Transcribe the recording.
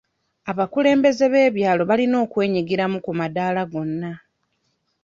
Abakulembeze b'ebyalo balina okwenyigiramu ku madaala gonna.